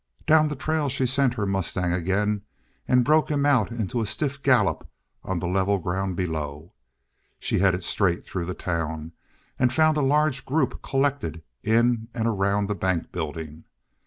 Down the trail she sent her mustang again, and broke him out into a stiff gallop on the level ground below. She headed straight through the town, and found a large group collected in and around the bank building.